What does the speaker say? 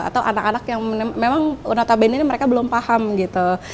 atau anak anak yang memang unata ben ini mereka belum paham gitu